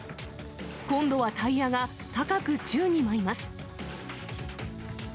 今度はタイヤが高く宙に舞います。